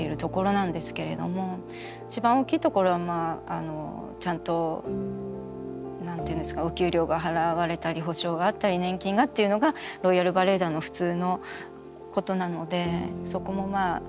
一番大きいところはちゃんと何て言うんですかお給料が払われたり保障があったり年金がっていうのがロイヤル・バレエ団の普通のことなのでそこもまあ。